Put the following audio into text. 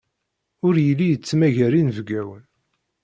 Ur yelli yettmagar inebgawen.